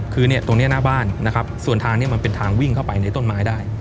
คือเนี่ยตรงนี้หน้าบ้านนะครับส่วนทางนี้มันเป็นทางวิ่งเข้าไปในต้นไม้ได้